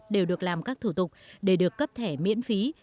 đều được làm các thủ tục để được cấp thẻ miễn phí